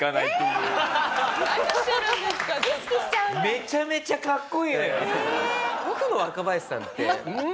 めちゃめちゃかっこいいのよ。